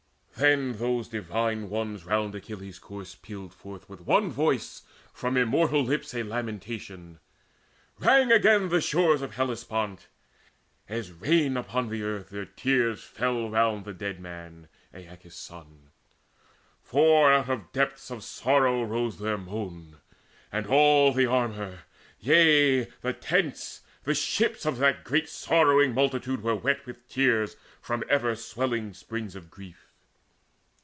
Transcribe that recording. Then those Divine Ones round Achilles' corse Pealed forth with one voice from immortal lips A lamentation. Rang again the shores Of Hellespont. As rain upon the earth Their tears fell round the dead man, Aeacus' son; For out of depths of sorrow rose their moan. And all the armour, yea, the tents, the ships Of that great sorrowing multitude were wet With tears from ever welling springs of grief.